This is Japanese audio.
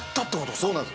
そうなんです。